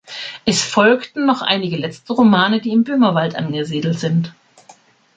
Es folgten noch einige letzte Romane, die im Böhmerwald angesiedelt sind.